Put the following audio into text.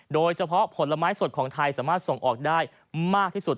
โดยเฉพาะผลไม้สดของไทยสามารถส่งออกได้มากที่สุด